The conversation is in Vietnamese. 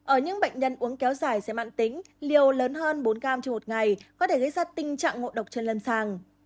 ở những bệnh nhân uống kéo dài sẽ mặn tính liều lớn hơn bốn g trên một ngày có thể gây ra tình trạng ngộ độc trên lân sàng